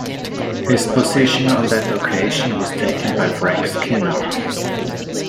His position on that occasion was taken by Frank Skinner.